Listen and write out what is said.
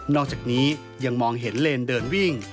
อกจากนี้ยังมองเห็นเลนเดินวิ่ง